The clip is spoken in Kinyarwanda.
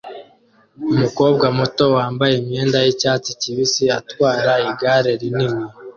Umukobwa muto wambaye imyenda yicyatsi kibisi atwara igare rinini